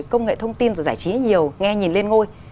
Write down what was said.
công nghệ thông tin và giải trí nhiều nghe nhìn lên ngôi